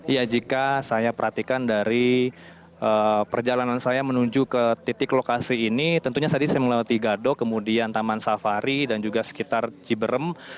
ya jika saya perhatikan dari perjalanan saya menuju ke titik lokasi ini tentunya saya mengelola tiga do kemudian taman safari dan juga sekitar jiberem